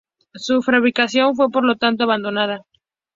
Su fabricación fue, por lo tanto, abandonada.